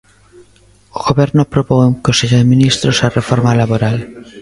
O Goberno aprobou en Consello de Ministros a reforma laboral.